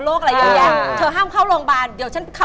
เราก็บอก